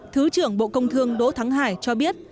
thứ trưởng bộ công thương đỗ thắng hải cho biết